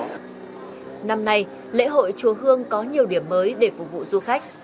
năm nay lễ hội chùa hương có nhiều điểm mới để phục vụ du khách